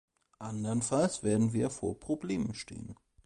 Anderenfalls werden wir vor Problemen stehen.